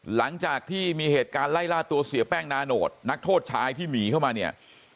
หลังจากที่มีเหตุการณ์ไล่ล่าตัวเสียแป้งนาโนตนักโทษชายที่หนีเข้ามาเนี่ย